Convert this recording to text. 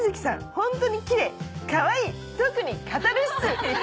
ホントにキレイかわいい特にカタルシス」。